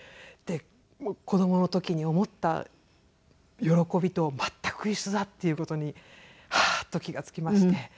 子供の時に思った喜びと全く一緒だっていう事にああー！と気が付きまして。